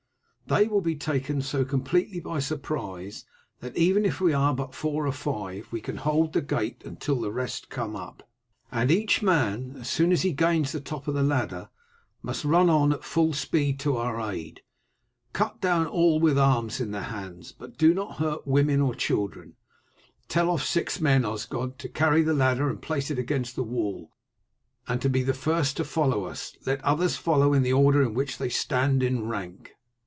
They will be taken so completely by surprise that, even if we are but four or five, we can hold the gate until the rest come up, and each man, as soon as he gains the top of the ladder, must run on at full speed to our aid. Cut down all with arms in their hands, but do not hurt women or children. Tell off six men, Osgod, to carry the ladder and place it against the wall, and to be the first to follow us. Let the others follow in the order in which they stand in rank."